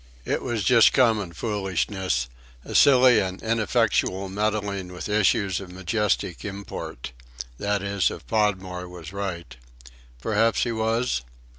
It was just common foolishness; a silly and ineffectual meddling with issues of majestic import that is, if Podmore was right. Perhaps he was?